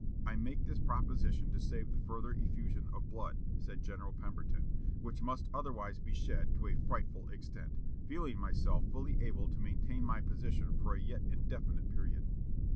"I make this proposition to save the further effusion of blood," said General Pemberton, "which must otherwise be shed to a frightful extent, feeling myself fully able to maintain my position for a yet indefinite period."